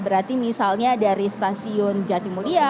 berarti misalnya dari stasiun jatimulia